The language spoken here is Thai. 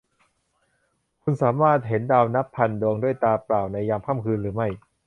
คุณจะสามารถเห็นดาวนับพันดวงด้วยตาเปล่าในยามค่ำคืนหรือไม่ ?